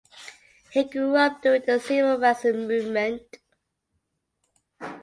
He grew up during the civil rights movement.